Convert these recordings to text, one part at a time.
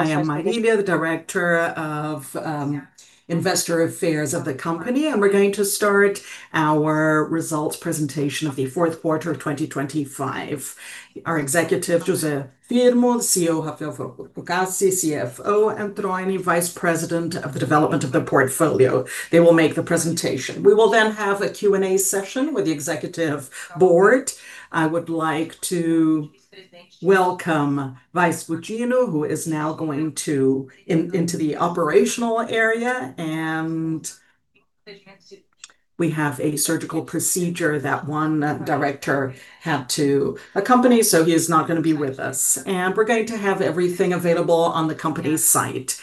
I am Marília, the director of Investor Relations of the company, and we're going to start our results presentation of the fourth quarter of 2025. Our executive, José Firmo, the CEO, Rafael Procaci, CFO, and Troy, vice president of the development of the portfolio. They will make the presentation. We will then have a Q&A session with the executive board. I would like to welcome Vice Buccino, who is now going into the operational area, and we have a surgical procedure that one director had to accompany, so he is not going to be with us. We're going to have everything available on the company's site.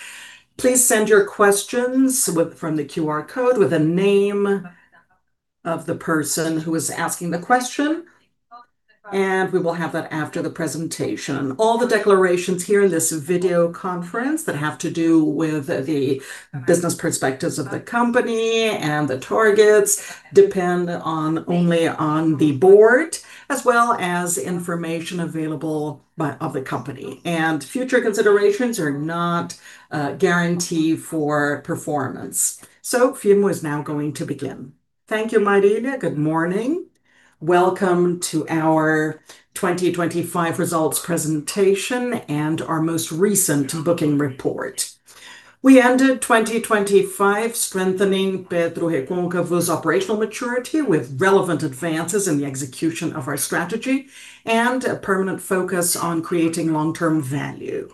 Please send your questions from the QR code with the name of the person who is asking the question, and we will have that after the presentation. All the declarations here in this video conference that have to do with the business perspectives of the company and the targets depend only on the board, as well as information available of the company. Future considerations are not a guarantee for performance. Firmo is now going to begin. Thank you, Marília. Good morning. Welcome to our 2025 results presentation and our most recent booking report. We ended 2025 strengthening PetroRecôncavo's operational maturity with relevant advances in the execution of our strategy and a permanent focus on creating long-term value.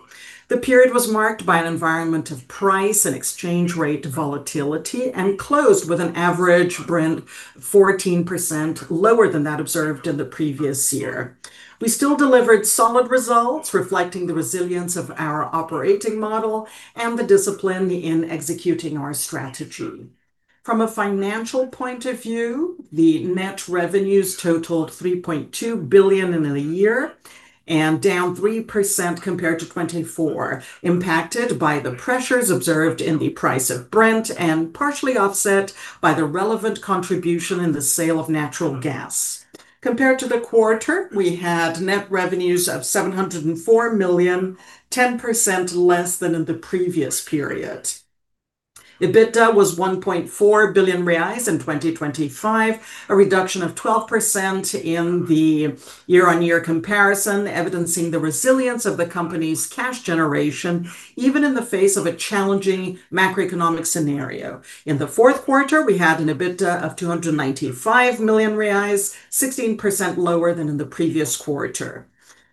The period was marked by an environment of price and exchange rate volatility, and closed with an average Brent 14% lower than that observed in the previous year. We still delivered solid results, reflecting the resilience of our operating model and the discipline in executing our strategy. From a financial point of view, net revenues totaled 3.2 billion in the year and down 3% compared to 2024, impacted by the pressures observed in the price of Brent and partially offset by the relevant contribution in the sale of natural gas. Compared to the quarter, we had net revenues of 704 million, 10% less than in the previous period. EBITDA was 1.4 billion reais in 2025, a reduction of 12% in the year-on-year comparison, evidencing the resilience of the company's cash generation, even in the face of a challenging macroeconomic scenario. In the fourth quarter, we had an EBITDA of 295 million reais, 16% lower than in the previous quarter.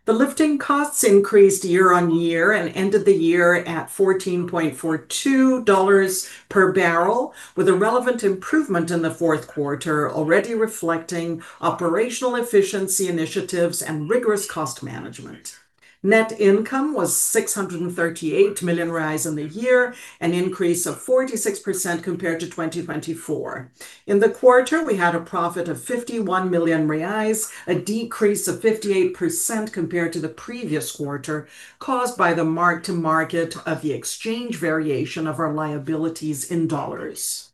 The lifting costs increased year-on-year and ended the year at $14.42 per barrel, with a relevant improvement in the fourth quarter, already reflecting operational efficiency initiatives and rigorous cost management. Net income was 638 million in the year, an increase of 46% compared to 2024. In the quarter, we had a profit of 51 million reais, a decrease of 58% compared to the previous quarter, caused by the mark to market of the exchange variation of our liabilities in US dollars.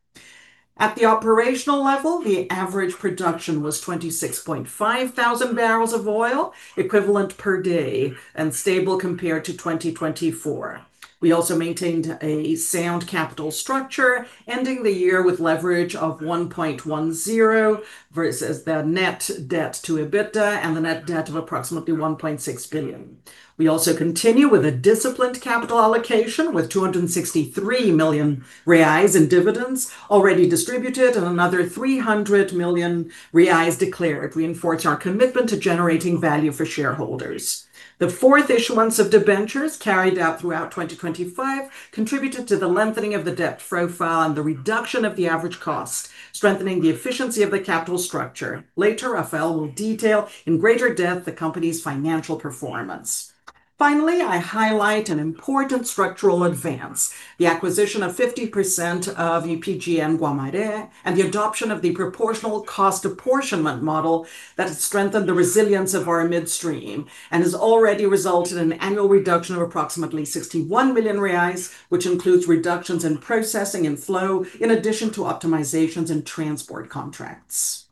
At the operational level, the average production was 26,500 barrels of oil equivalent per day and stable compared to 2024. We also maintained a sound capital structure, ending the year with leverage of 1.10 versus the net debt-to-EBITDA and the net debt of approximately 1.6 billion. We also continue with a disciplined capital allocation with 263 million reais in dividends already distributed and another 300 million reais declared, reinforce our commitment to generating value for shareholders. The fourth issuance of debentures carried out throughout 2025 contributed to the lengthening of the debt profile and the reduction of the average cost, strengthening the efficiency of the capital structure. Later, Rafael will detail in greater depth the company's financial performance. Finally, I highlight an important structural advance, the acquisition of 50% of UPGN Guamaré and the adoption of the proportional cost apportionment model that has strengthened the resilience of our midstream and has already resulted in annual reduction of approximately 61 million reais, which includes reductions in processing and flow in addition to optimizations in transport contracts.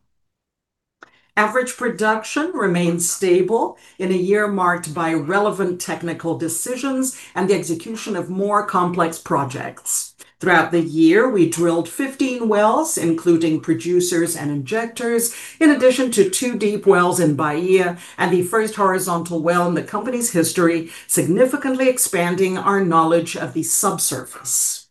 Average production remained stable in a year marked by relevant technical decisions and the execution of more complex projects. Throughout the year, we drilled 15 wells, including producers and injectors, in addition to two deep wells in Bahia and the first horizontal well in the company's history, significantly expanding our knowledge of the subsurface.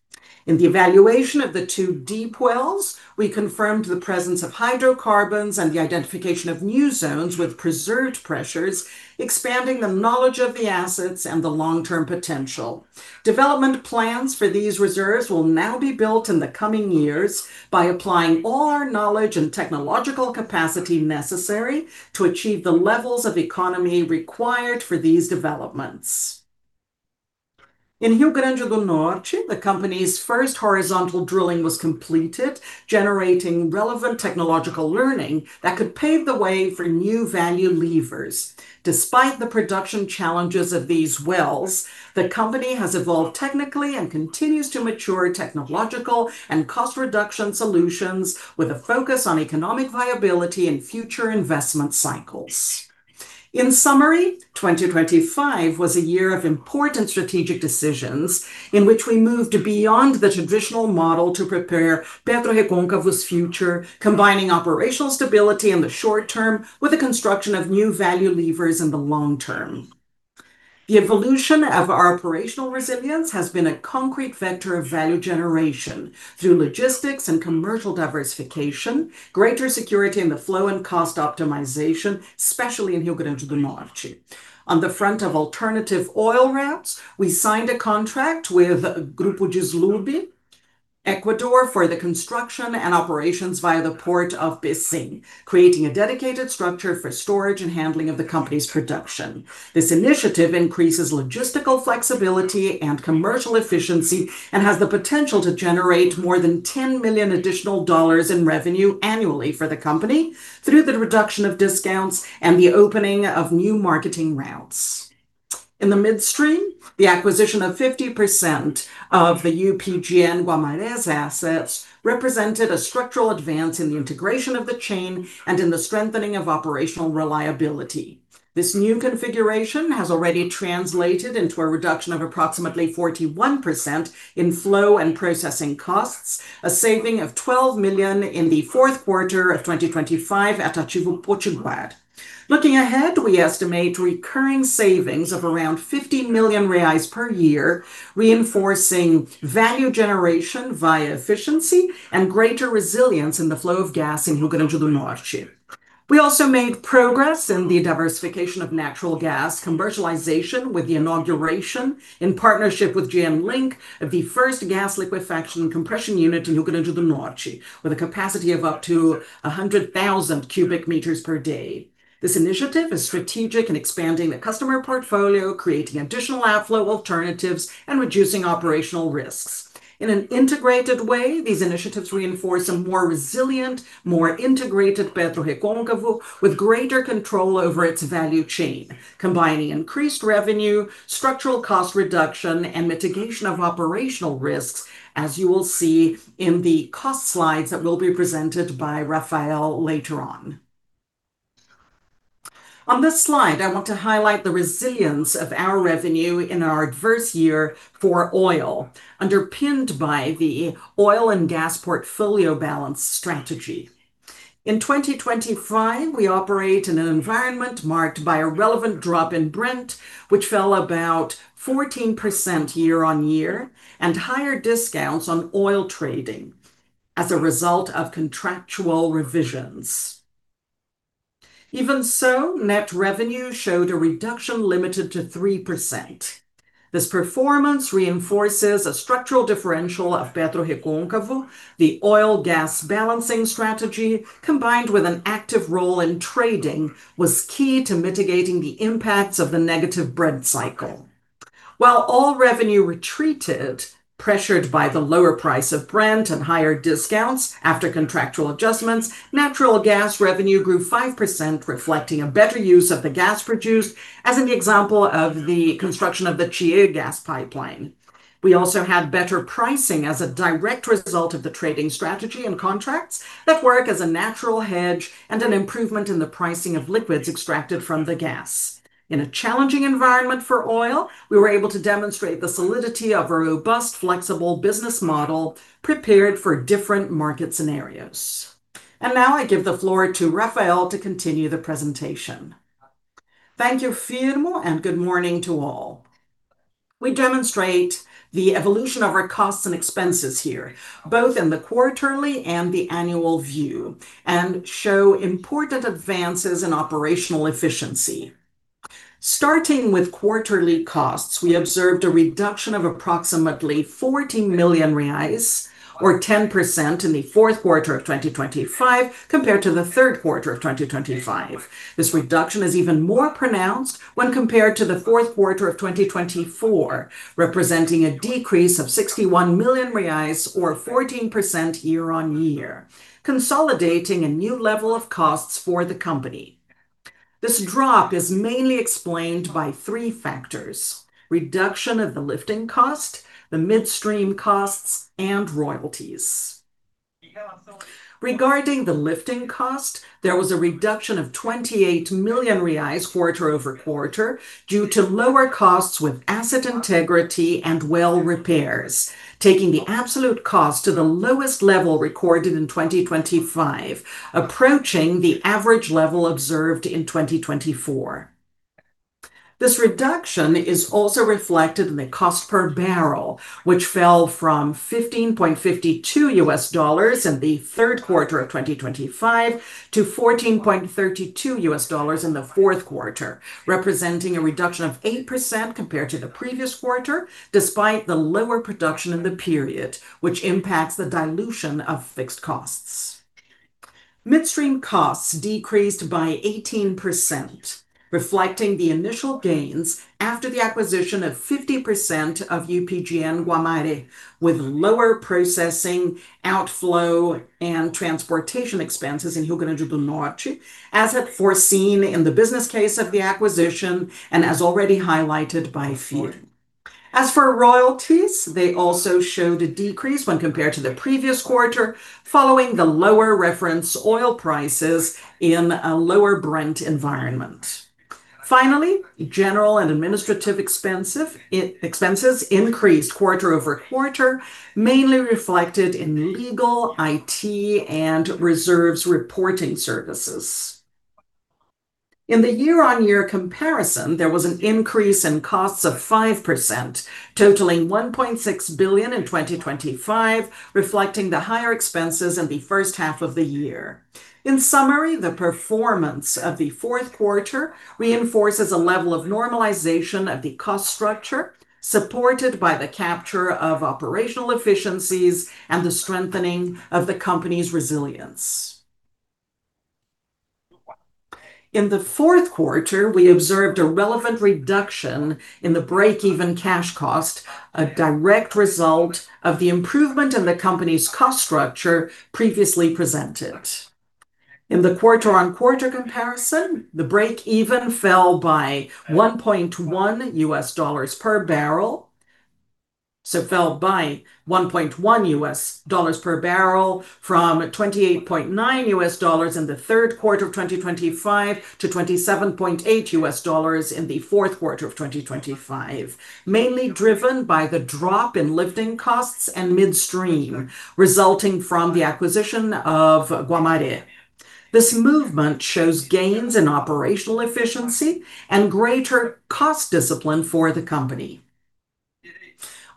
In the evaluation of the two deep wells, we confirmed the presence of hydrocarbons and the identification of new zones with preserved pressures, expanding the knowledge of the assets and the long-term potential. Development plans for these reserves will now be built in the coming years by applying all our knowledge and technological capacity necessary to achieve the levels of economy required for these developments. In Rio Grande do Norte, the company's first horizontal drilling was completed, generating relevant technological learning that could pave the way for new value levers. Despite the production challenges of these wells, the company has evolved technically and continues to mature technological and cost reduction solutions with a focus on economic viability in future investment cycles. In summary, 2025 was a year of important strategic decisions in which we moved beyond the traditional model to prepare PetroRecôncavo's future, combining operational stability in the short term with the construction of new value levers in the long term. The evolution of our operational resilience has been a concrete vector of value generation through logistics and commercial diversification, greater security in the flow and cost optimization, especially in Rio Grande do Norte. On the front of alternative oil routes, we signed a contract with Grupo Dislub Equador for the construction and operations via the Porto do Pecém, creating a dedicated structure for storage and handling of the company's production. This initiative increases logistical flexibility and commercial efficiency and has the potential to generate more than $10 million additional in revenue annually for the company through the reduction of discounts and the opening of new marketing routes. In the midstream, the acquisition of 50% of the UPGN Guamaré's assets represented a structural advance in the integration of the chain and in the strengthening of operational reliability. This new configuration has already translated into a reduction of approximately 41% in flow and processing costs, a saving of $12 million in the fourth quarter of 2025 at Porto do Açu. Looking ahead, we estimate recurring savings of around 15 million reais per year, reinforcing value generation via efficiency and greater resilience in the flow of gas in Rio Grande do Norte. We also made progress in the diversification of natural gas commercialization with the inauguration, in partnership with GNLink, of the first gas liquefaction compression unit in Rio Grande do Norte, with a capacity of up to 100,000 cubic meters per day. This initiative is strategic in expanding the customer portfolio, creating additional outflow alternatives, and reducing operational risks. In an integrated way, these initiatives reinforce a more resilient, more integrated PetroRecôncavo, with greater control over its value chain, combining increased revenue, structural cost reduction, and mitigation of operational risks, as you will see in the cost slides that will be presented by Rafael later on. On this slide, I want to highlight the resilience of our revenue in our adverse year for oil, underpinned by the oil and gas portfolio balance strategy. In 2025, we operate in an environment marked by a relevant drop in Brent, which fell about 14% year-over-year, and higher discounts on oil trading as a result of contractual revisions. Even so, net revenue showed a reduction limited to 3%. This performance reinforces a structural differential of PetroRecôncavo. The oil/gas balancing strategy, combined with an active role in trading, was key to mitigating the impacts of the negative Brent cycle. While oil revenue retreated, pressured by the lower price of Brent and higher discounts after contractual adjustments, natural gas revenue grew 5%, reflecting a better use of the gas produced, as in the example of the construction of the Catu Gas Pipeline. We also had better pricing as a direct result of the trading strategy and contracts that work as a natural hedge and an improvement in the pricing of liquids extracted from the gas. In a challenging environment for oil, we were able to demonstrate the solidity of a robust, flexible business model prepared for different market scenarios. Now I give the floor to Rafael to continue the presentation. Thank you, Firmo, and good morning to all. We demonstrate the evolution of our costs and expenses here, both in the quarterly and the annual view, and show important advances in operational efficiency. Starting with quarterly costs, we observed a reduction of approximately 14 million reais, or 10%, in the fourth quarter of 2025, compared to the third quarter of 2025. This reduction is even more pronounced when compared to the fourth quarter of 2024, representing a decrease of 61 million reais, or 14% year-on-year, consolidating a new level of costs for the company. This drop is mainly explained by three factors, reduction of the lifting cost, the midstream costs, and royalties. Regarding the lifting cost, there was a reduction of 28 million reais quarter-over-quarter due to lower costs with asset integrity and well repairs, taking the absolute cost to the lowest level recorded in 2025, approaching the average level observed in 2024. This reduction is also reflected in the cost per barrel, which fell from $15.52 in the third quarter of 2025 to $14.32 in the fourth quarter, representing a reduction of 8% compared to the previous quarter, despite the lower production in the period, which impacts the dilution of fixed costs. Midstream costs decreased by 18%, reflecting the initial gains after the acquisition of 50% of UPGN Guamaré, with lower processing, outflow, and transportation expenses in Rio Grande do Norte, as had foreseen in the business case of the acquisition and as already highlighted by Firmo. As for royalties, they also showed a decrease when compared to the previous quarter following the lower reference oil prices in a lower Brent environment. Finally, general and administrative expenses increased quarter-over-quarter, mainly reflected in legal, IT, and reserves reporting services. In the year-on-year comparison, there was an increase in costs of 5%, totaling 1.6 billion in 2025, reflecting the higher expenses in the first half of the year. In summary, the performance of the fourth quarter reinforces a level of normalization of the cost structure, supported by the capture of operational efficiencies and the strengthening of the company's resilience. In the fourth quarter, we observed a relevant reduction in the breakeven cash cost, a direct result of the improvement in the company's cost structure previously presented. In the quarter-on-quarter comparison, the breakeven fell by 1.1 US dollars per barrel. It fell by $1.1 per barrel from $28.9 in the third quarter of 2025 to $27.8 in the fourth quarter of 2025, mainly driven by the drop in lifting costs and midstream, resulting from the acquisition of Guamaré. This movement shows gains in operational efficiency and greater cost discipline for the company.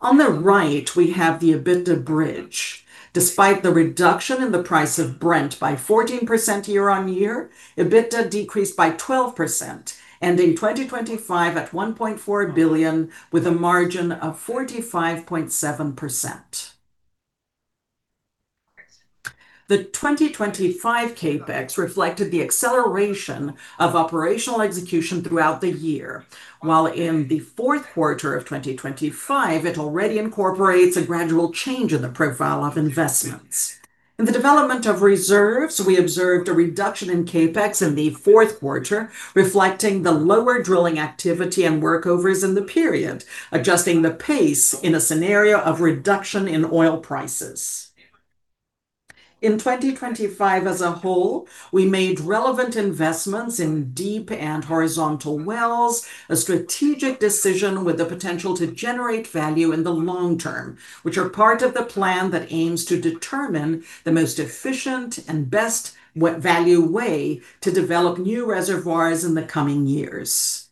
On the right, we have the EBITDA bridge. Despite the reduction in the price of Brent by 14% year-over-year, EBITDA decreased by 12%, ending 2025 at 1.4 billion with a margin of 45.7%. The 2025 CapEx reflected the acceleration of operational execution throughout the year. While in the fourth quarter of 2025, it already incorporates a gradual change in the profile of investments. In the development of reserves, we observed a reduction in CapEx in the fourth quarter, reflecting the lower drilling activity and workovers in the period, adjusting the pace in a scenario of reduction in oil prices. In 2025 as a whole, we made relevant investments in deep and horizontal wells, a strategic decision with the potential to generate value in the long term, which are part of the plan that aims to determine the most efficient and best value way to develop new reservoirs in the coming years.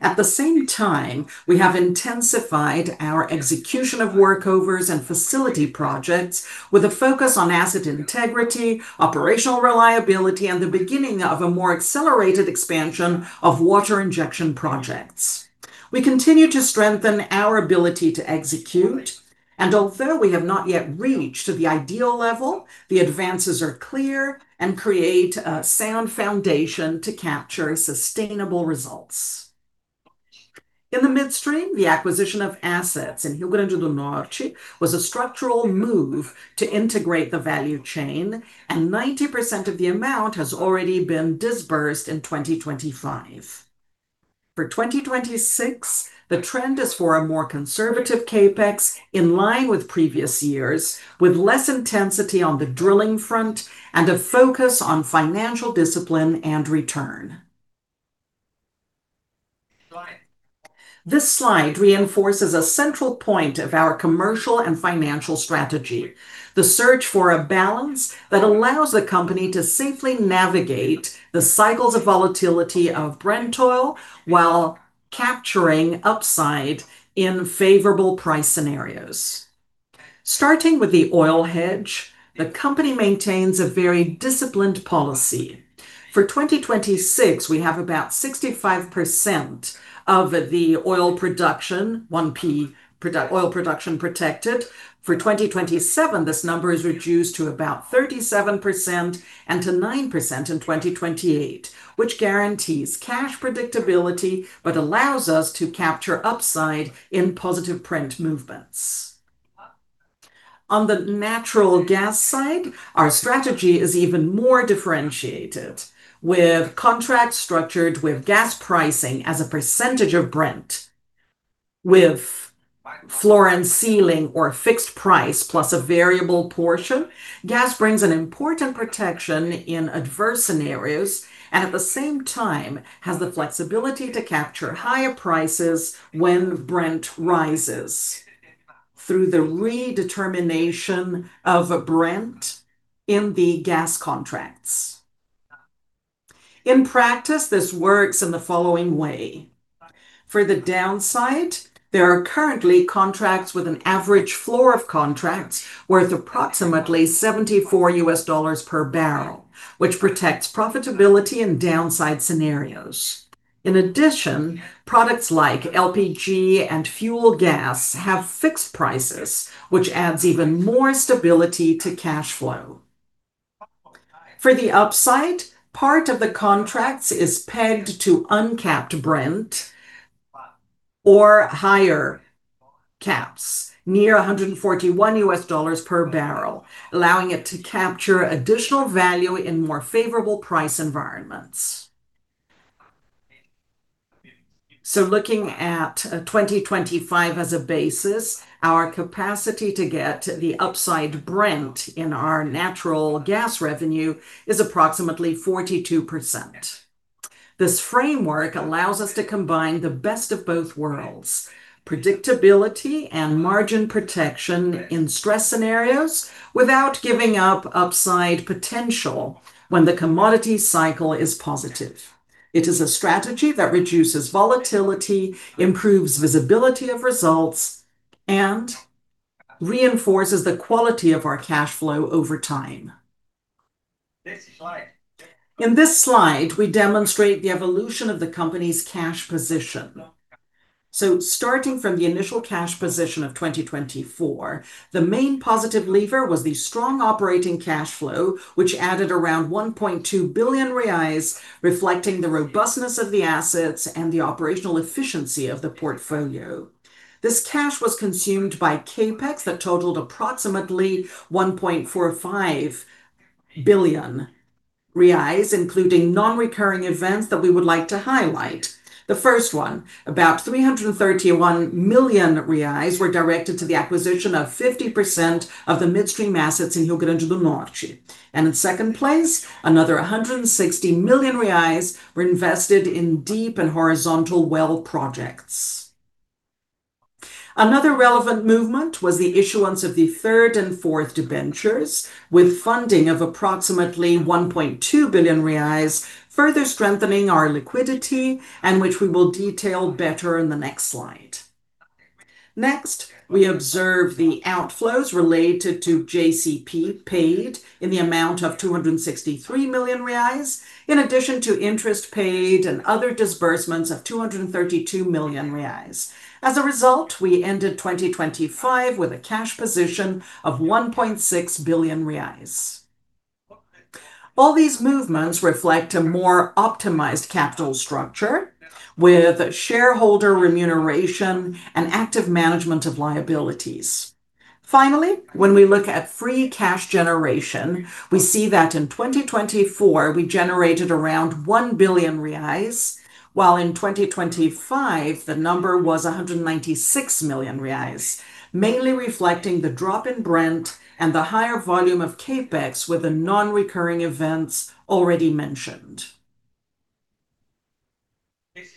At the same time, we have intensified our execution of workovers and facility projects with a focus on asset integrity, operational reliability, and the beginning of a more accelerated expansion of water injection projects. We continue to strengthen our ability to execute, and although we have not yet reached the ideal level, the advances are clear and create a sound foundation to capture sustainable results. In the midstream, the acquisition of assets in Rio Grande do Norte was a structural move to integrate the value chain, and 90% of the amount has already been disbursed in 2025. For 2026, the trend is for a more conservative CapEx in line with previous years, with less intensity on the drilling front and a focus on financial discipline and return. This slide reinforces a central point of our commercial and financial strategy, the search for a balance that allows the company to safely navigate the cycles of volatility of Brent oil while capturing upside in favorable price scenarios. Starting with the oil hedge, the company maintains a very disciplined policy. For 2026, we have about 65% of the 1P oil production protected. For 2027, this number is reduced to about 37% and to 9% in 2028, which guarantees cash predictability but allows us to capture upside in positive Brent movements. On the natural gas side, our strategy is even more differentiated with contracts structured with gas pricing as a percentage of Brent with floor and ceiling or a fixed price plus a variable portion. Gas brings an important protection in adverse scenarios and at the same time has the flexibility to capture higher prices when Brent rises through the redetermination of Brent in the gas contracts. In practice, this works in the following way. For the downside, there are currently contracts with an average floor of contracts worth approximately $74 per barrel, which protects profitability in downside scenarios. In addition, products like LPG and fuel gas have fixed prices, which adds even more stability to cash flow. For the upside, part of the contracts is pegged to uncapped Brent or higher caps near $141 per barrel, allowing it to capture additional value in more favorable price environments. Looking at 2025 as a basis, our capacity to get the upside Brent in our natural gas revenue is approximately 42%. This framework allows us to combine the best of both worlds, predictability and margin protection in stress scenarios, without giving up upside potential when the commodity cycle is positive. It is a strategy that reduces volatility, improves visibility of results, and reinforces the quality of our cash flow over time. Next slide. In this slide, we demonstrate the evolution of the company's cash position. Starting from the initial cash position of 2024, the main positive lever was the strong operating cash flow, which added around 1.2 billion reais, reflecting the robustness of the assets and the operational efficiency of the portfolio. This cash was consumed by CapEx that totaled approximately 1.45 billion reais, including non-recurring events that we would like to highlight. The first one, about 331 million reais were directed to the acquisition of 50% of the midstream assets in Rio Grande do Norte. In second place, another 160 million reais were invested in deep and horizontal well projects. Another relevant movement was the issuance of the third and fourth debentures with funding of approximately 1.2 billion reais, further strengthening our liquidity and which we will detail better in the next slide. Next, we observe the outflows related to JCP paid in the amount of 263 million reais, in addition to interest paid and other disbursements of 232 million reais. As a result, we ended 2025 with a cash position of 1.6 billion reais. All these movements reflect a more optimized capital structure with shareholder remuneration and active management of liabilities. Finally, when we look at free cash generation, we see that in 2024 we generated around 1 billion reais, while in 2025 the number was 196 million reais, mainly reflecting the drop in Brent and the higher volume of CapEx with the non-recurring events already mentioned.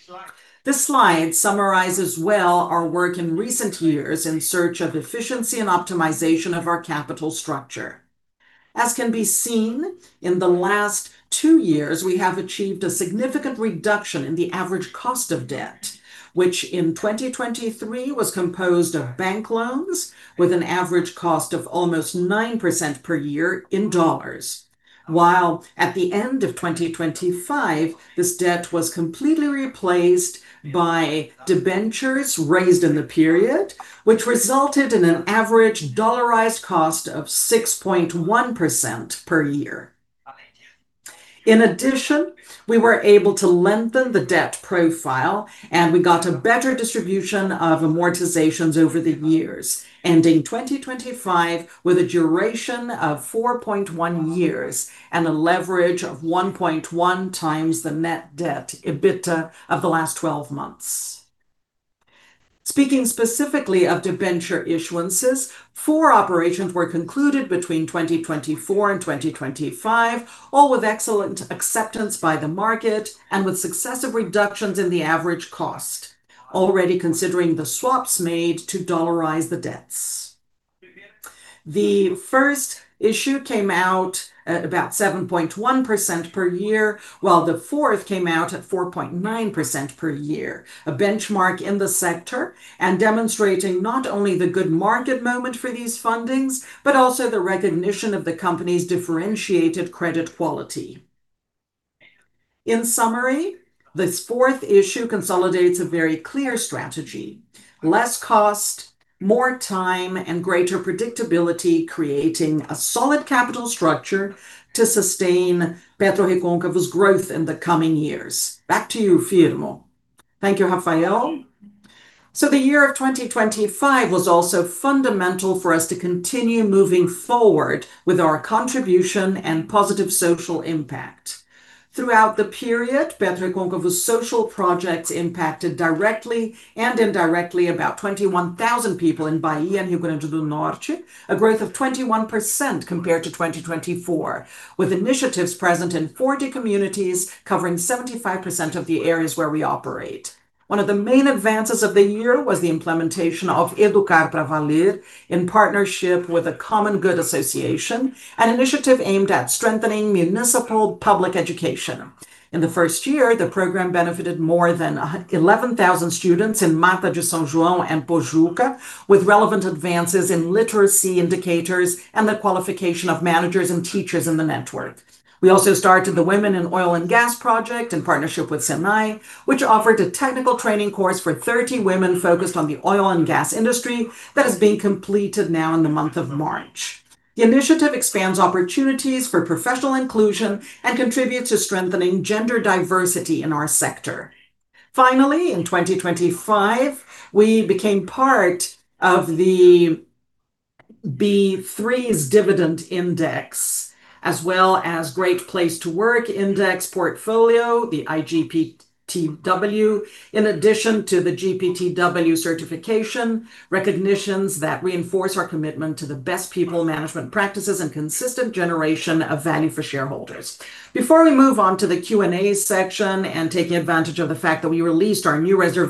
Next slide. This slide summarizes well our work in recent years in search of efficiency and optimization of our capital structure. As can be seen, in the last two years we have achieved a significant reduction in the average cost of debt, which in 2023 was composed of bank loans with an average cost of almost 9% per year in dollars. While at the end of 2025, this debt was completely replaced by debentures raised in the period, which resulted in an average dollarized cost of 6.1% per year. In addition, we were able to lengthen the debt profile, and we got a better distribution of amortizations over the years, ending 2025 with a duration of 4.1 years and a leverage of 1.1x net debt-to-EBITDA of the last 12 months. Speaking specifically of debenture issuances, four operations were concluded between 2024 and 2025, all with excellent acceptance by the market and with successive reductions in the average cost, already considering the swaps made to dollarize the debts. The first issue came out at about 7.1% per year, while the fourth came out at 4.9% per year, a benchmark in the sector, and demonstrating not only the good market moment for these fundings, but also the recognition of the company's differentiated credit quality. In summary, this fourth issue consolidates a very clear strategy, less cost, more time, and greater predictability, creating a solid capital structure to sustain PetroRecôncavo's growth in the coming years. Back to you, Firmo. Thank you, Rafael. The year of 2025 was also fundamental for us to continue moving forward with our contribution and positive social impact. Throughout the period, PetroRecôncavo's social projects impacted directly and indirectly about 21,000 people in Bahia and Rio Grande do Norte, a growth of 21% compared to 2024, with initiatives present in 40 communities covering 75% of the areas where we operate. One of the main advances of the year was the implementation of Educar pra Valer in partnership with the Associação Bem Comum, an initiative aimed at strengthening municipal public education. In the first year, the program benefited more than 11,000 students in Mata de São João and Pojuca, with relevant advances in literacy indicators and the qualification of managers and teachers in the network. We also started the Women in Oil and Gas project in partnership with SENAI, which offered a technical training course for 30 women focused on the oil and gas industry that is being completed now in the month of March. The initiative expands opportunities for professional inclusion and contributes to strengthening gender diversity in our sector. Finally, in 2025, we became part of the B3's Dividend Index, as well as Great Place to Work Index portfolio, the IGPTW, in addition to the GPTW certification, recognitions that reinforce our commitment to the best people management practices and consistent generation of value for shareholders. Before we move on to the Q&A section and taking advantage of the fact that we released our new reserve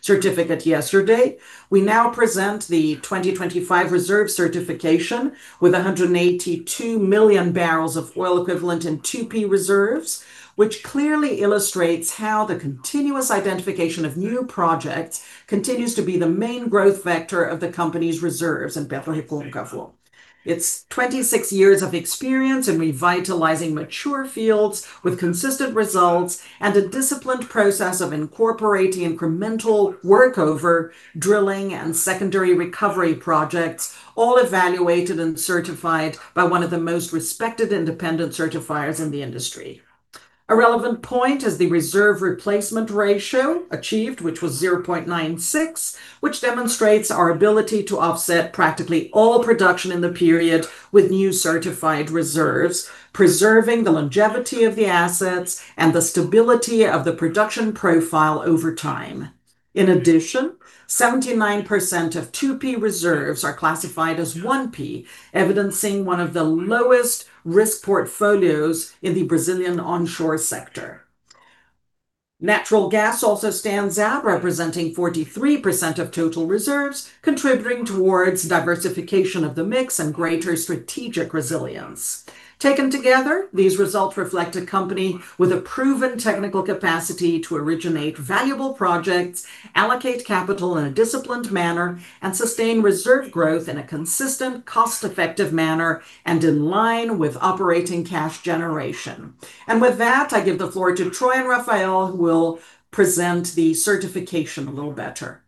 certification yesterday, we now present the 2025 reserve certification with 182 million barrels of oil equivalent in 2P reserves, which clearly illustrates how the continuous identification of new projects continues to be the main growth vector of the company's reserves in PetroRecôncavo. It's 26 years of experience in revitalizing mature fields with consistent results and a disciplined process of incorporating incremental workover, drilling, and secondary recovery projects, all evaluated and certified by one of the most respected independent certifiers in the industry. A relevant point is the reserve replacement ratio achieved, which was 0.96, which demonstrates our ability to offset practically all production in the period with new certified reserves, preserving the longevity of the assets and the stability of the production profile over time. In addition, 79% of 2P reserves are classified as 1P, evidencing one of the lowest risk portfolios in the Brazilian onshore sector. Natural gas also stands out, representing 43% of total reserves, contributing towards diversification of the mix and greater strategic resilience. Taken together, these results reflect a company with a proven technical capacity to originate valuable projects, allocate capital in a disciplined manner, and sustain reserve growth in a consistent, cost-effective manner and in line with operating cash generation. With that, I give the floor to Troy and Rafael, who will present the certification a little better.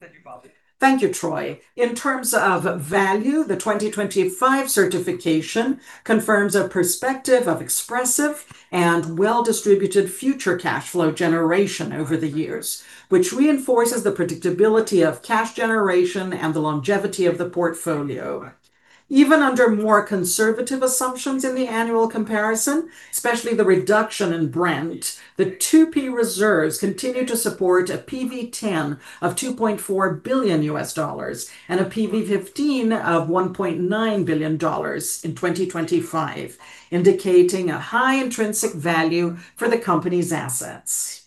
Thank you, Firmo. Thank you, Troy. In terms of value, the 2025 certification confirms a perspective of expressive and well-distributed future cash flow generation over the years, which reinforces the predictability of cash generation and the longevity of the portfolio. Even under more conservative assumptions in the annual comparison, especially the reduction in Brent, the 2P reserves continue to support a PV10 of $2.4 billion and a PV15 of $1.9 billion in 2025, indicating a high intrinsic value for the company's assets.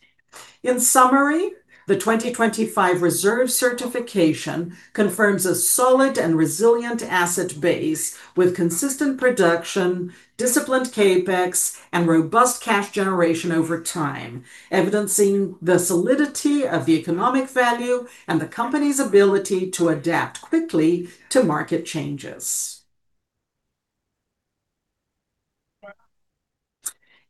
In summary, the 2025 reserve certification confirms a solid and resilient asset base with consistent production, disciplined CapEx, and robust cash generation over time, evidencing the solidity of the economic value and the company's ability to adapt quickly to market changes.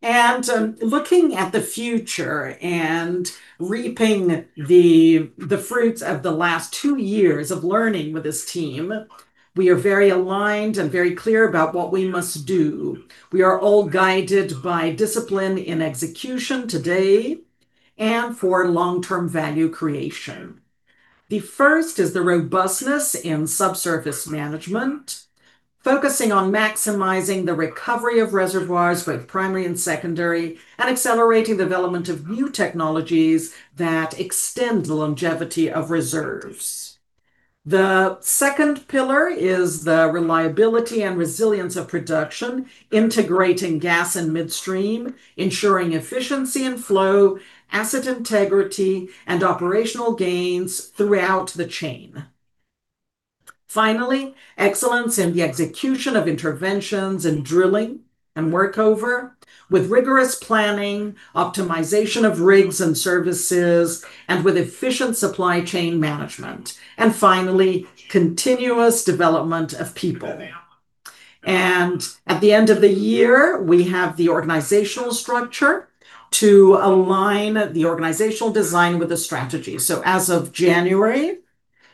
Looking at the future and reaping the fruits of the last two years of learning with this team, we are very aligned and very clear about what we must do. We are all guided by discipline in execution today and for long-term value creation. The first is the robustness in subsurface management, focusing on maximizing the recovery of reservoirs, both primary and secondary, and accelerating development of new technologies that extend the longevity of reserves. The second pillar is the reliability and resilience of production, integrating gas and midstream, ensuring efficiency and flow, asset integrity, and operational gains throughout the chain. Finally, excellence in the execution of interventions in drilling and workover with rigorous planning, optimization of rigs and services, and with efficient supply chain management. Finally, continuous development of people. At the end of the year, we have the organizational structure to align the organizational design with the strategy. As of January,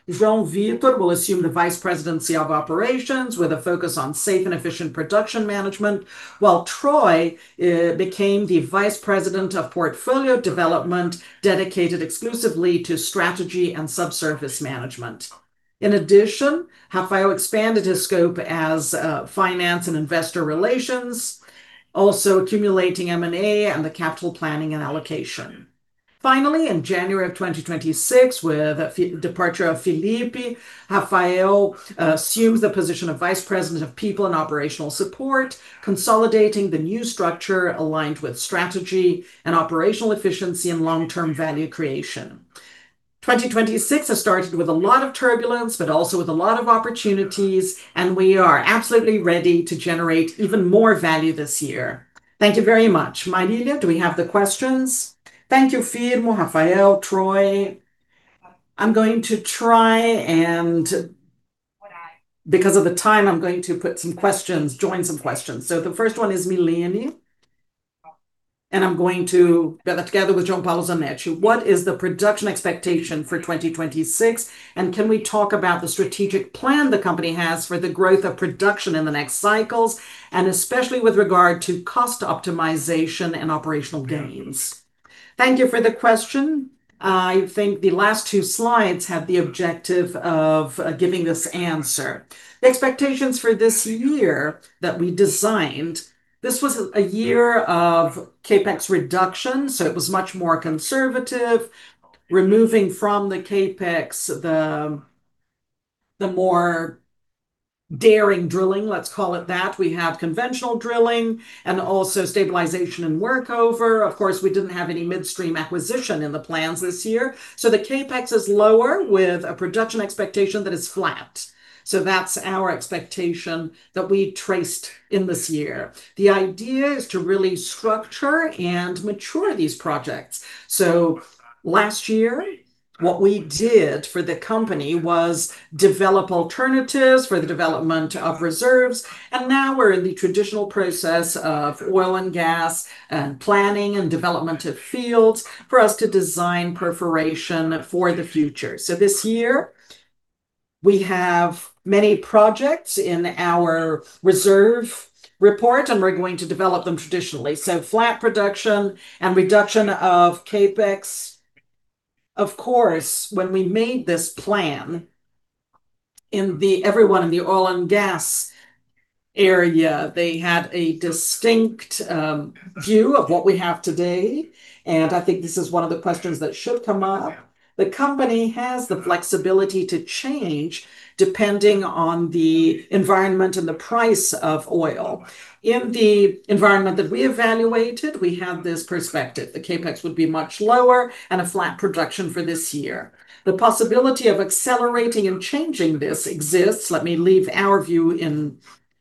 João Vitor will assume the vice presidency of operations with a focus on safe and efficient production management, while Troy became the vice president of portfolio development dedicated exclusively to strategy and subsurface management. In addition, Rafael expanded his scope as finance and investor relations, also accumulating M&A and the capital planning and allocation. Finally, in January of 2026, with departure of Felipe, Rafael assumes the position of vice president of people and operational support, consolidating the new structure aligned with strategy and operational efficiency in long-term value creation. 2026 has started with a lot of turbulence, but also with a lot of opportunities, and we are absolutely ready to generate even more value this year. Thank you very much. Marília, do we have the questions? Thank you, Firmo, Rafael, Troy. Because of the time, I'm going to put some questions, join some questions. The first one is Milene together with João Paulo Zanetti. What is the production expectation for 2026, and can we talk about the strategic plan the company has for the growth of production in the next cycles, and especially with regard to cost optimization and operational gains? Thank you for the question. I think the last two slides have the objective of giving this answer. The expectations for this year that we designed, this was a year of CapEx reduction, it was much more conservative, removing from the CapEx the more daring drilling, let's call it that. We have conventional drilling and also stabilization and workover. Of course, we didn't have any midstream acquisition in the plans this year. The CapEx is lower with a production expectation that is flat. That's our expectation that we traced in this year. The idea is to really structure and mature these projects. Last year what we did for the company was develop alternatives for the development of reserves, and now we're in the traditional process of oil and gas and planning and development of fields for us to design perforation for the future. This year we have many projects in our reserves report, and we're going to develop them traditionally. Flat production and reduction of CapEx. Of course, when we made this plan, everyone in the oil and gas area, they had a distinct view of what we have today, and I think this is one of the questions that should come up. The company has the flexibility to change depending on the environment and the price of oil. In the environment that we evaluated, we have this perspective. The CapEx would be much lower and a flat production for this year. The possibility of accelerating and changing this exists. Let me make our view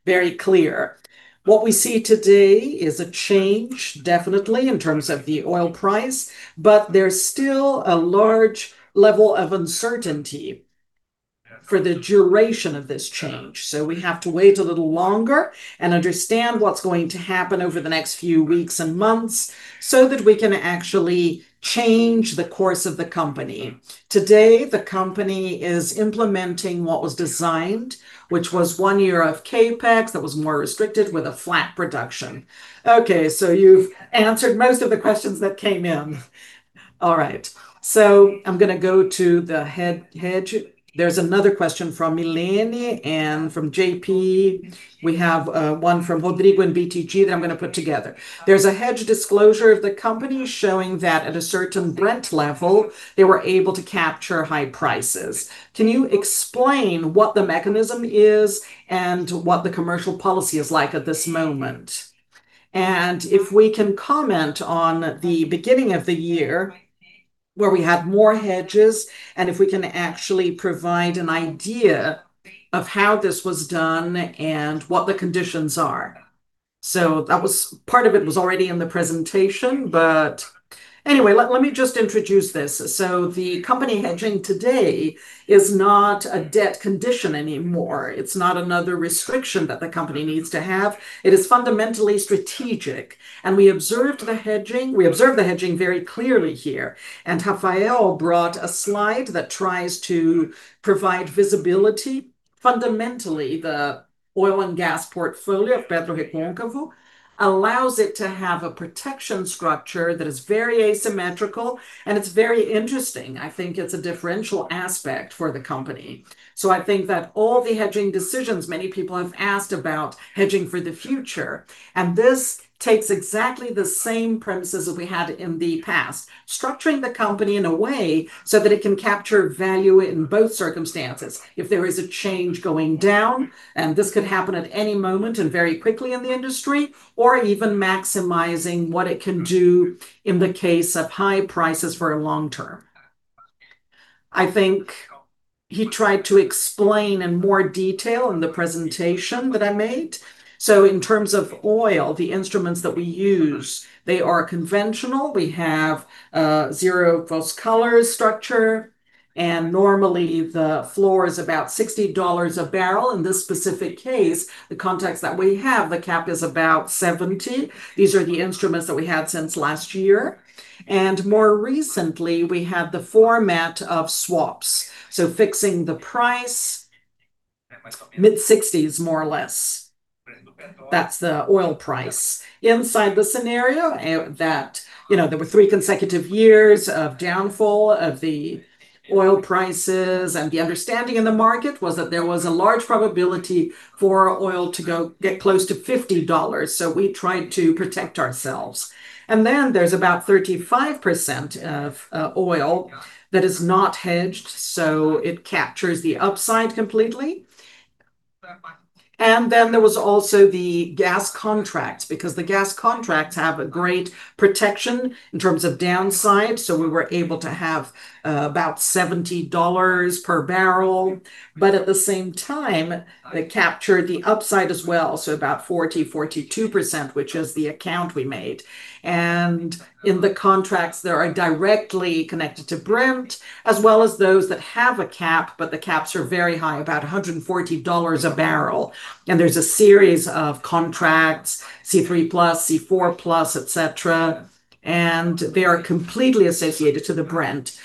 very clear. What we see today is a change, definitely, in terms of the oil price, but there's still a large level of uncertainty for the duration of this change. We have to wait a little longer and understand what's going to happen over the next few weeks and months so that we can actually change the course of the company. Today, the company is implementing what was designed, which was one year of CapEx that was more restricted with a flat production. Okay, you've answered most of the questions that came in. All right, I'm going to go to the hedge. There's another question from Milene and from JP. We have one from Rodrigo and BTG that I'm going to put together. There's a hedge disclosure of the company showing that at a certain Brent level, they were able to capture high prices. Can you explain what the mechanism is and what the commercial policy is like at this moment? If we can comment on the beginning of the year where we had more hedges, and if we can actually provide an idea of how this was done and what the conditions are. That was. Part of it was already in the presentation, but anyway, let me just introduce this. The company hedging today is not a debt condition anymore. It's not another restriction that the company needs to have. It is fundamentally strategic, and we observed the hedging very clearly here. Rafael brought a slide that tries to provide visibility. Fundamentally, the oil and gas portfolio at PetroRecôncavo allows it to have a protection structure that is very asymmetrical, and it's very interesting. I think it's a differential aspect for the company. I think that all the hedging decisions, many people have asked about hedging for the future, and this takes exactly the same premises that we had in the past, structuring the company in a way so that it can capture value in both circumstances. If there is a change going down, and this could happen at any moment and very quickly in the industry, or even maximizing what it can do in the case of high prices for long term. I think he tried to explain in more detail in the presentation that I made. In terms of oil, the instruments that we use, they are conventional. We have a zero-cost collar structure, and normally the floor is about $60 a barrel. In this specific case, the context that we have, the cap is about $70 a barrel. These are the instruments that we had since last year. More recently we had the format of swaps, so fixing the price, mid-60s, more or less. That's the oil price inside the scenario. That, you know, there were three consecutive years of downfall of the oil prices, and the understanding in the market was that there was a large probability for oil to go get close to $50. We tried to protect ourselves. Then there's about 35% of oil that is not hedged, so it captures the upside completely. Then there was also the gas contracts, because the gas contracts have a great protection in terms of downside, so we were able to have about $70 per barrel. At the same time, they captured the upside as well, so about 40%-42%, which is the account we made. In the contracts that are directly connected to Brent, as well as those that have a cap, but the caps are very high, about $140 a barrel, and there's a series of contracts, C3+, C4+, et cetera, and they are completely associated to the Brent.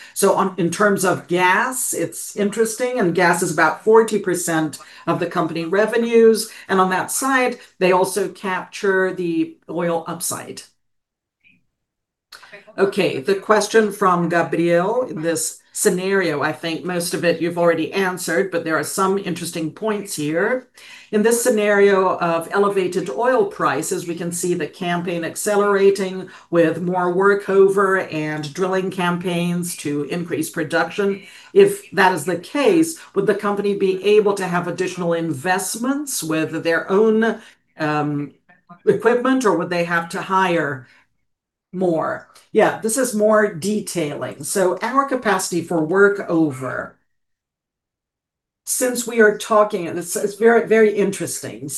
In terms of gas, it's interesting, and gas is about 40% of the company revenues. On that side, they also capture the oil upside. Okay, the question from Gabriel. In this scenario, I think most of it you've already answered, but there are some interesting points here. In this scenario of elevated oil prices, we can see the campaign accelerating with more workover and drilling campaigns to increase production. If that is the case, would the company be able to have additional investments with their own equipment, or would they have to hire more? Yeah. This is more detailing. Our capacity for workover, since we are talking, and it's very interesting.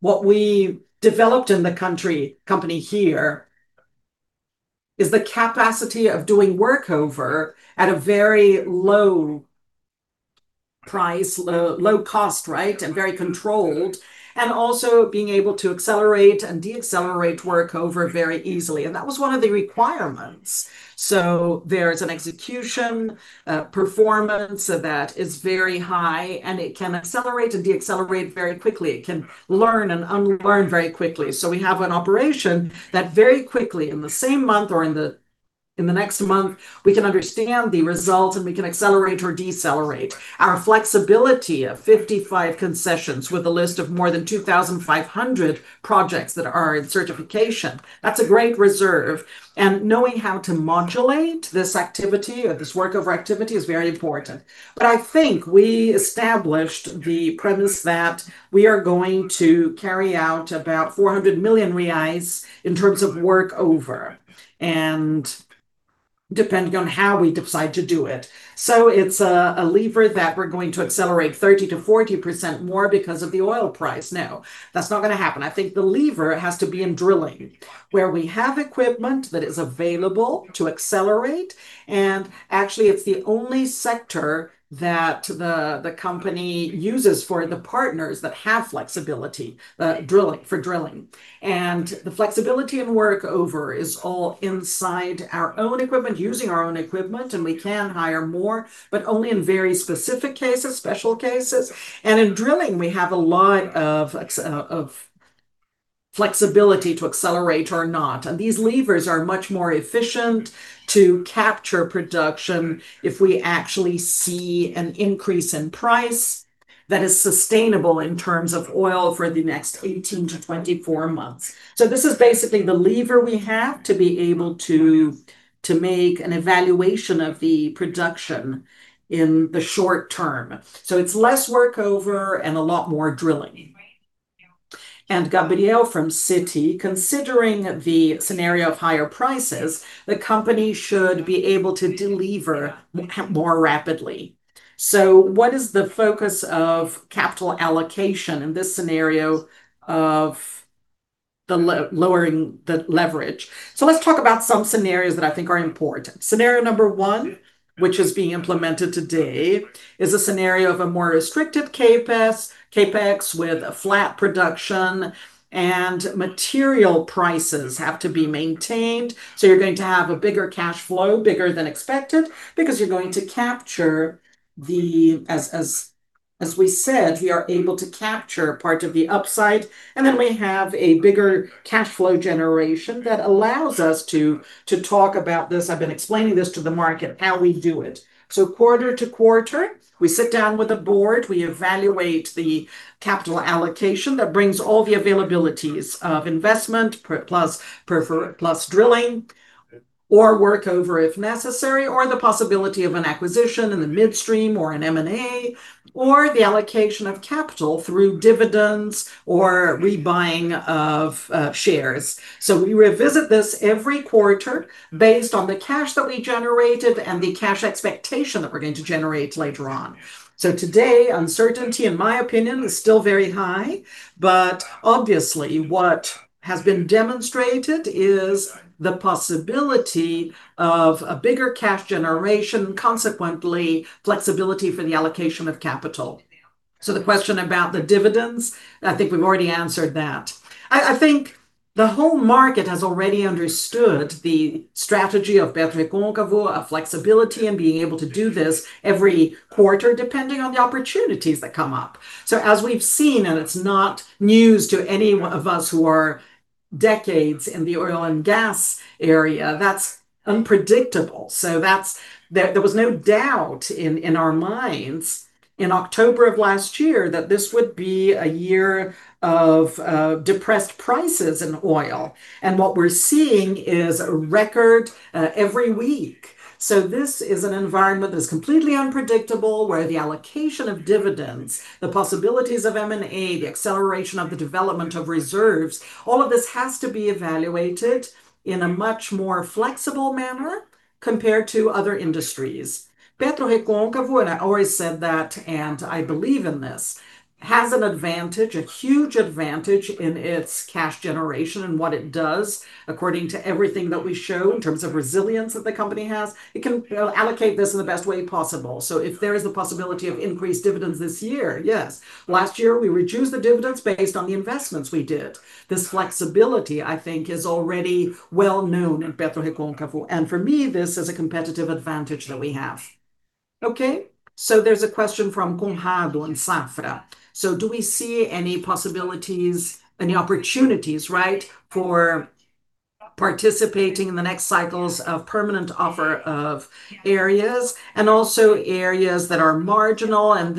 What we developed in the country, company here is the capacity of doing workover at a very low price, low cost, right, and very controlled, and also being able to accelerate and decelerate workover very easily, and that was one of the requirements. There's an execution performance that is very high, and it can accelerate and decelerate very quickly. It can learn and unlearn very quickly. We have an operation that very quickly, in the same month or in the next month, we can understand the result, and we can accelerate or decelerate. Our flexibility of 55 concessions with a list of more than 2,500 projects that are in certification, that's a great reserve. Knowing how to modulate this activity or this workover activity is very important. I think we established the premise that we are going to carry out about 400 million reais in terms of workover, and depending on how we decide to do it. It's a lever that we're going to accelerate 30%-40% more because of the oil price. No, that's not going to happen. I think the lever has to be in drilling, where we have equipment that is available to accelerate, and actually it's the only sector that the company uses for the partners that have flexibility, drilling. The flexibility of workover is all inside our own equipment, using our own equipment, and we can hire more, but only in very specific cases, special cases. In drilling we have a lot of flexibility to accelerate or not, and these levers are much more efficient to capture production if we actually see an increase in price that is sustainable in terms of oil for the next 18 months-24 months. This is basically the lever we have to be able to make an evaluation of the production in the short term. It's less workover and a lot more drilling. Gabriel from Citi, considering the scenario of higher prices, the company should be able to delever more rapidly. What is the focus of capital allocation in this scenario of lowering the leverage? Let's talk about some scenarios that I think are important. Scenario number one, which is being implemented today, is a scenario of a more restricted CapEx with a flat production and material prices have to be maintained. You're going to have a bigger cash flow, bigger than expected because, as we said, we are able to capture part of the upside, and then we have a bigger cash flow generation that allows us to talk about this. I've been explaining this to the market, how we do it. Quarter to quarter, we sit down with the board, we evaluate the capital allocation. That brings all the availabilities of investment plus drilling, or workover if necessary, or the possibility of an acquisition in the midstream or an M&A, or the allocation of capital through dividends or rebuying of shares. We revisit this every quarter based on the cash that we generated and the cash expectation that we're going to generate later on. Today, uncertainty, in my opinion, is still very high, but obviously what has been demonstrated is the possibility of a bigger cash generation, consequently flexibility for the allocation of capital. The question about the dividends, I think we've already answered that. I think the whole market has already understood the strategy of PetroRecôncavo, of flexibility, and being able to do this every quarter depending on the opportunities that come up. As we've seen, and it's not news to any one of us who are decades in the oil and gas area, that's unpredictable. There was no doubt in our minds in October of last year that this would be a year of depressed prices in oil, and what we're seeing is a record every week. This is an environment that's completely unpredictable, where the allocation of dividends, the possibilities of M&A, the acceleration of the development of reserves, all of this has to be evaluated in a much more flexible manner compared to other industries. PetroRecôncavo, I always said that, and I believe in this, has an advantage, a huge advantage in its cash generation and what it does. According to everything that we show in terms of resilience that the company has, it can, you know, allocate this in the best way possible. If there is a possibility of increased dividends this year, yes. Last year we reduced the dividends based on the investments we did. This flexibility, I think, is already well-known in PetroRecôncavo, and for me, this is a competitive advantage that we have. Okay, there's a question from Conrado in Safra. "Do we see any possibilities, any opportunities," right, "for participating in the next cycles of permanent offer of areas, and also areas that are marginal, and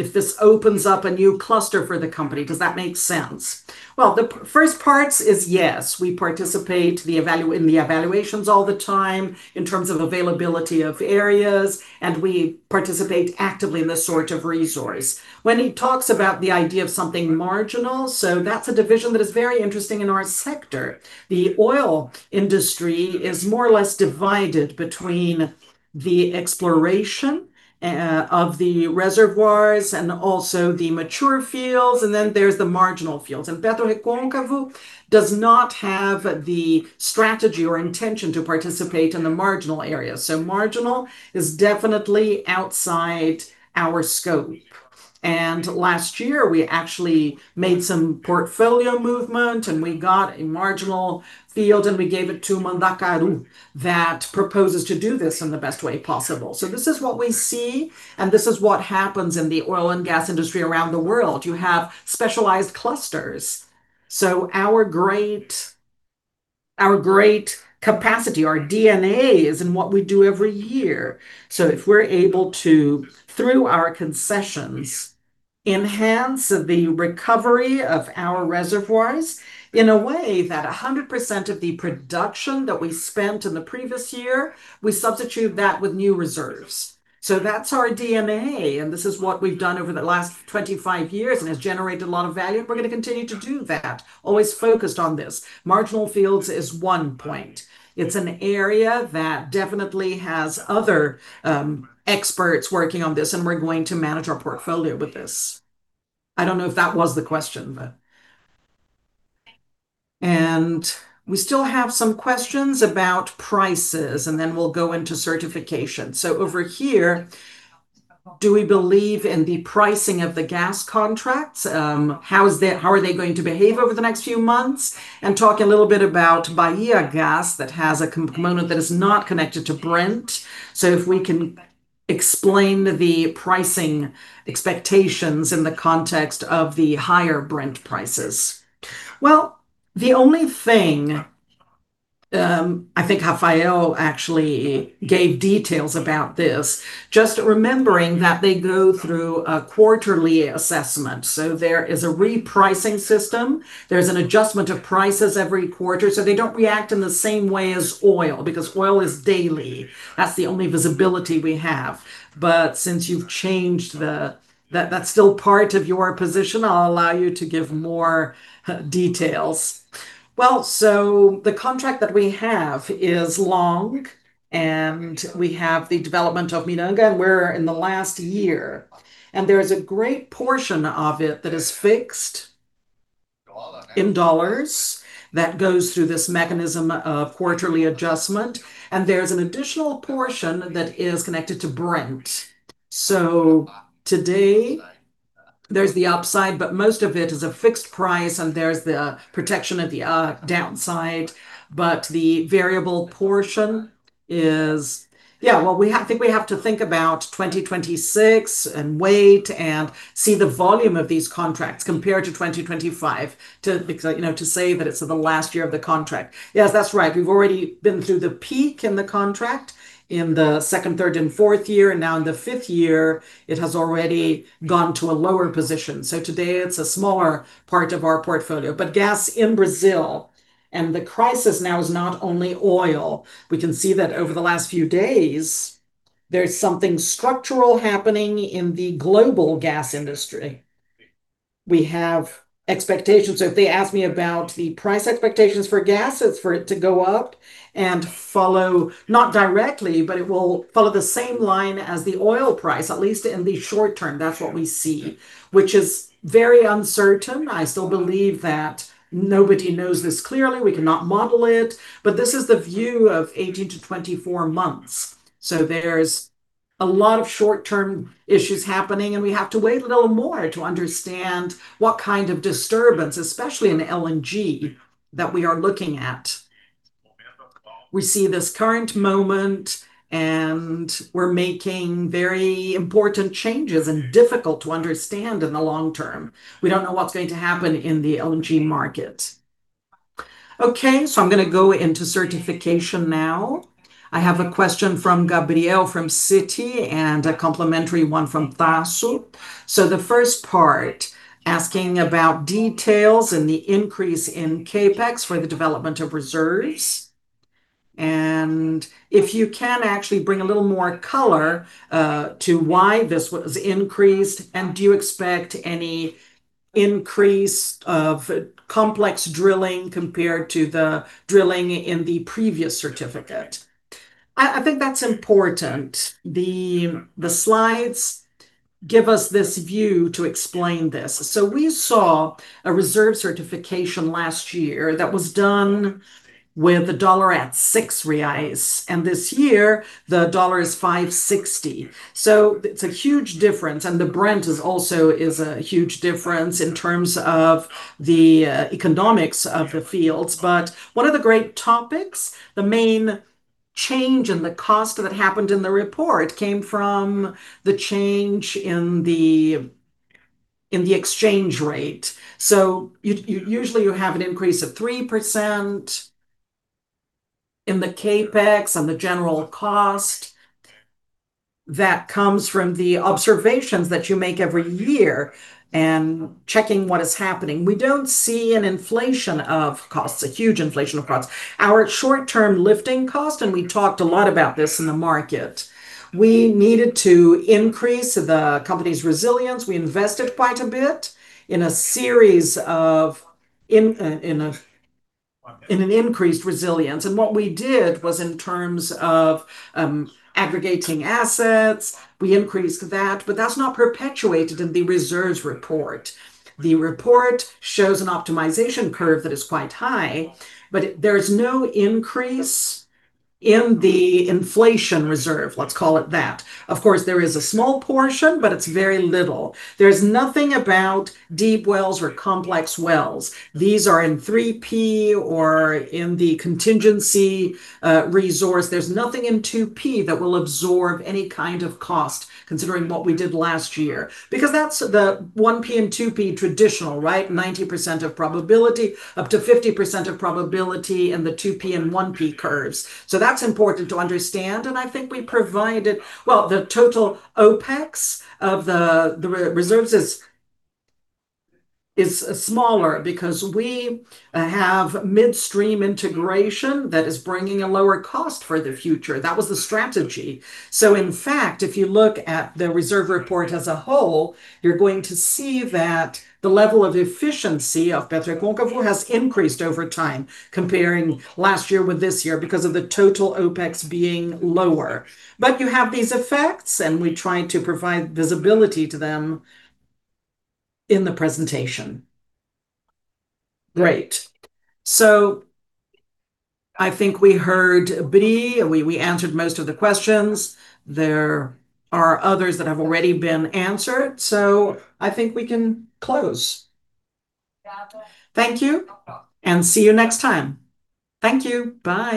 if this opens up a new cluster for the company? Does that make sense?" Well, the first part is yes. We participate in the evaluations all the time in terms of availability of areas, and we participate actively in this sort of resource. When he talks about the idea of something marginal, that's a division that is very interesting in our sector. The oil industry is more or less divided between the exploration of the reservoirs and also the mature fields, then there's the marginal fields. PetroRecôncavo does not have the strategy or intention to participate in the marginal areas, so marginal is definitely outside our scope. Last year we actually made some portfolio movement, and we got a marginal field, and we gave it to Mandacaru that proposes to do this in the best way possible. This is what we see, and this is what happens in the oil and gas industry around the world. You have specialized clusters. Our great capacity, our DNA, is in what we do every year. If we're able to, through our concessions, enhance the recovery of our reservoirs in a way that 100% of the production that we spent in the previous year, we substitute that with new reserves. That's our DNA, and this is what we've done over the last 25 years, and has generated a lot of value, and we're going to continue to do that, always focused on this. Marginal fields is one point. It's an area that definitely has other experts working on this, and we're going to manage our portfolio with this. I don't know if that was the question, but we still have some questions about prices, and then we'll go into certification. Over here, do we believe in the pricing of the gas contracts? How are they going to behave over the next few months? Talk a little bit about Bahiagás that has a component that is not connected to Brent. If we can explain the pricing expectations in the context of the higher Brent prices. Well, the only thing, I think Rafael actually gave details about this. Just remembering that they go through a quarterly assessment. There is a repricing system. There's an adjustment of prices every quarter, so they don't react in the same way as oil, because oil is daily. That's the only visibility we have. But since you've changed, that's still part of your position, I'll allow you to give more details. Well, the contract that we have is long, and we have the development of Miranga, and we're in the last year. There is a great portion of it that is fixed in dollars that goes through this mechanism of quarterly adjustment, and there's an additional portion that is connected to Brent. Today, there's the upside, but most of it is a fixed price, and there's the protection at the downside. The variable portion is. Well, we think we have to think about 2026 and wait, and see the volume of these contracts compared to 2025 because, you know, to say that it's the last year of the contract. Yes, that's right. We've already been through the peak in the contract in the second, third, and fourth year, and now in the fifth year it has already gone to a lower position. Today it's a smaller part of our portfolio. Gas in Brazil, and the crisis now is not only oil. We can see that over the last few days there's something structural happening in the global gas industry. We have expectations. If they ask me about the price expectations for gas, it's for it to go up and follow, not directly, but it will follow the same line as the oil price, at least in the short term. That's what we see, which is very uncertain. I still believe that nobody knows this clearly. We cannot model it. This is the view of 18 months-24 months. There's a lot of short-term issues happening, and we have to wait a little more to understand what kind of disturbance, especially in LNG, that we are looking at. We see this current moment, and we're making very important changes, and difficult to understand in the long term. We don't know what's going to happen in the LNG market. Okay, I'm going to go into certification now. I have a question from Gabrielle from Citi, and a complimentary one from Tasu. The first part, asking about details in the increase in CapEx for the development of reserves. If you can actually bring a little more color to why this was increased, and do you expect any increase of complex drilling compared to the drilling in the previous certification? I think that's important. The slides give us this view to explain this. We saw a reserve certification last year that was done with the dollar at 6 reais, and this year the dollar is $5.60. It's a huge difference, and the Brent is also a huge difference in terms of the economics of the fields. One of the great topics, the main change in the cost that happened in the report came from the change in the exchange rate. Usually you have an increase of 3% in the CapEx and the general cost. That comes from the observations that you make every year, and checking what is happening. We don't see an inflation of costs, a huge inflation of costs. Our short-term lifting cost, and we talked a lot about this in the market, we needed to increase the company's resilience. We invested quite a bit in a series of increased resilience. What we did was in terms of aggregating assets, we increased that. That's not perpetuated in the reserves report. The report shows an optimization curve that is quite high, but there is no increase in the inflation reserve. Let's call it that. Of course, there is a small portion, but it's very little. There's nothing about deep wells or complex wells. These are in 3P or in the contingency resource. There's nothing in 2P that will absorb any kind of cost considering what we did last year. Because that's the 1P and 2P traditional, right? 90% of probability, up to 50% of probability in the 2P and 1P curves. That's important to understand, and I think we provided. Well, the total OpEx of the reserves is smaller because we have midstream integration that is bringing a lower cost for the future. That was the strategy. In fact, if you look at the reserves report as a whole, you're going to see that the level of efficiency of Petrobras has increased over time comparing last year with this year because of the total OpEx being lower. You have these effects, and we tried to provide visibility to them in the presentation. Great. I think we heard BBI. We answered most of the questions. There are others that have already been answered, I think we can close. Thank you, and see you next time. Thank you. Bye.